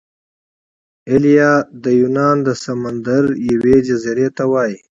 ایلیا د یونان د سمندر یوې جزیرې ته وايي.